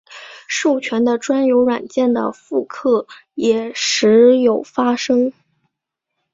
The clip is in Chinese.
授权的专有软件的复刻也时有发生。